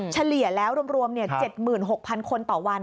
เฉลี่ยแล้วรวม๗๖๐๐คนต่อวัน